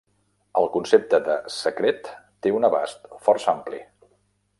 El concepte de "secret" té un abast força ampli.